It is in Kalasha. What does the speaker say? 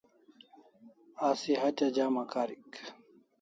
Asi hatya jama karik